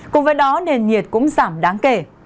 cùng với đó nền nhiệt cũng giảm đáng kể